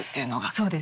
そうです。